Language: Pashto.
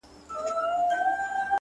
پښتنه ده آخير ـ